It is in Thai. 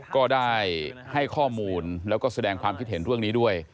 ก็ได้ให้ข้อมูลแล้วก็แสดงความคิดเห็นเรื่องนี้ด้วย